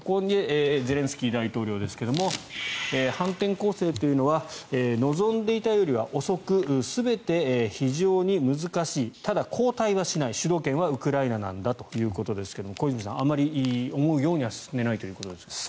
ゼレンスキー大統領ですが反転攻勢というのは望んでいたよりは遅く全て非常に難しいただ、後退はしない主導権はウクライナなんだということですがあまり思うようには進んでないということですが。